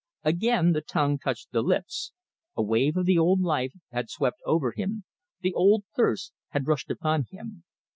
Again the tongue touched the lips a wave of the old life had swept over him, the old thirst had rushed upon him.